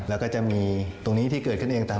แล้วก็จะมีตรงนี้ที่เกิดขึ้นเองต่าง